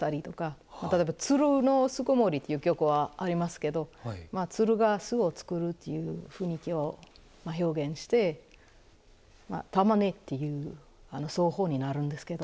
例えば「鶴の巣籠」っていう曲がありますけど鶴が巣を作るという雰囲気を表現して玉音っていう奏法になるんですけど。